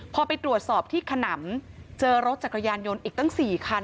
พอไปตรวจสอบที่ขนำเจอรถจักรยานยนต์อีกตั้ง๔คัน